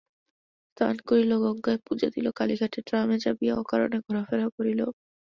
স্নান করিল গঙ্গায়, পূজা দিল কালীঘাটে, ট্রামে চাপিয়া অকারণে ঘোরাফেরা করিল।